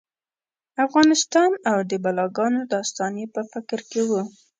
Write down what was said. افغانستان او د بلاګانو داستان یې په فکر کې و.